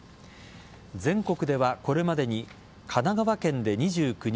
全国では、これまでに神奈川県で２９人